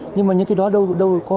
nhưng mà những cái đó đâu có